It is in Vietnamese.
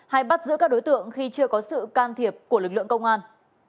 hay bắt giữ các đối tượng khi chưa có sự can thiệp của lực lượng công an